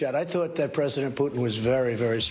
เอาหน่าที่พระเจ้าปุชฎ์สำคัญมาก